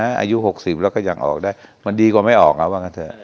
อายุ๖๐ก็ออกได้มันดีกว่าไม่ออกนะว่ะ